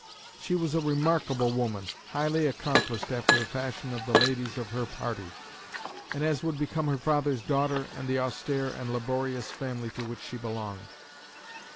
She was a remarkable woman, highly accomplished after the fashion of the ladies of her party, and as would become her father's daughter and the austere and laborious family to which she belonged.